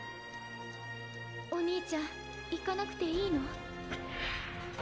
お兄ちゃん行かなくていいの？